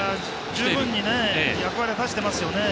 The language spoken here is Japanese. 十分役割を果たしてますよね。